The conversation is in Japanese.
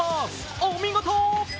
お見事！